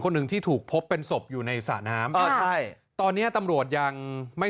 หนึ่งที่ถูกพบเป็นศพอยู่ในสระน้ำอ่าใช่ตอนเนี้ยตำรวจยังไม่